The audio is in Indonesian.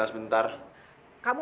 saya belum sempat mentuluk